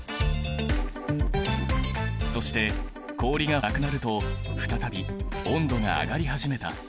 そして氷がなくなると再び温度が上がり始めた。